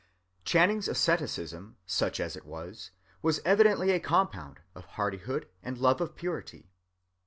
(176) Channing's asceticism, such as it was, was evidently a compound of hardihood and love of purity.